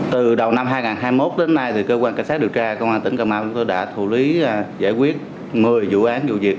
từ đầu năm hai nghìn hai mươi một đến nay cơ quan cảnh sát điều tra công an tỉnh cà mau chúng tôi đã thủ lý giải quyết một mươi vụ án vụ việc